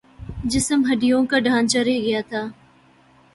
جسم ہڈیوں کا ڈھانچا رہ گیا تھا